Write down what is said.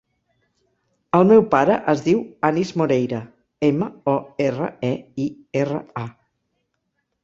El meu pare es diu Anis Moreira: ema, o, erra, e, i, erra, a.